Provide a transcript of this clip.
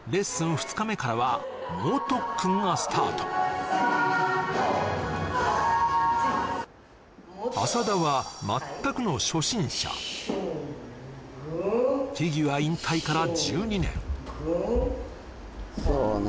２日目からは猛特訓がスタート浅田はまったくの初心者フィギュア引退から１２年そうな